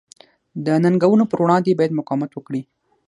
د ننګونو پر وړاندې باید مقاومت وکړي.